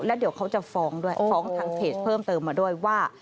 แล้วเดี๋ยวเขาจะฟ้องด้วยฟ้องทางเพจเพิ่มเติมมาด้วยว่า